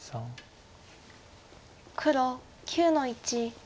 黒９の一。